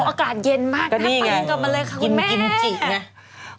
อการเย็นมากนะคุณแม่มาจัดกินกำลังหิ้นกันเลยค่ะ